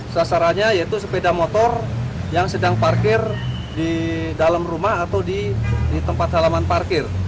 sasarannya yaitu sepeda motor yang sedang parkir di dalam rumah atau di tempat halaman parkir